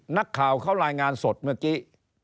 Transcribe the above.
นักข่าวเขารายงานสดเมื่อกี้